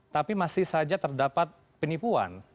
tapi masih saja terdapat penipuan